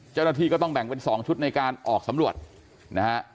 เจ้าหน้าที่ก็ต้องแบ่งเป็น๒ชุดในการออกสำรวจนะฮะ